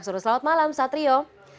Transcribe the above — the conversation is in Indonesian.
selamat malam satrio